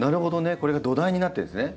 これが土台になってるんですね